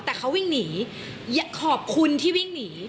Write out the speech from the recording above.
แต่เขาวิ่งหนีขอบคุณที่วิ่งหนี